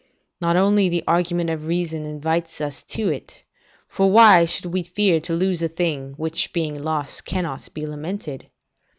Not only the argument of reason invites us to it for why should we fear to lose a thing, which being lost, cannot be lamented?